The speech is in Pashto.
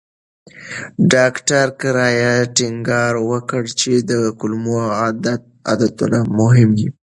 ډاکټر کرایان ټینګار وکړ چې د کولمو عادتونه مهم دي.